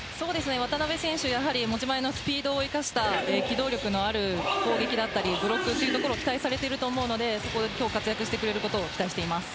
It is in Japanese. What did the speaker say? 渡邊選手、やはり持ち前のスピードを生かした機動力のある攻撃だったり、ブロックを期待されていると思うので活躍してくれることを期待しています。